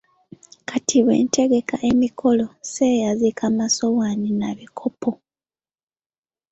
Kati bwe ntegeka emikolo sseeyazika masowaani na bikopo.